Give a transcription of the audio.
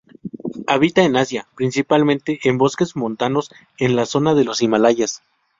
Habita en Asia, principalmente en bosques montanos en la zona de los Himalayas.